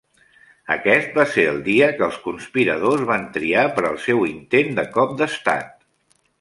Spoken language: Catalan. Aquest va ser el dia que els conspiradors van triar per al seu intent de cop d'estat.